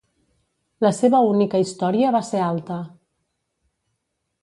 La seva única història va ser alta.